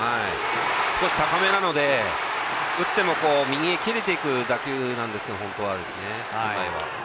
少し高めなので打っても右へ切れていく打球なんです本来は。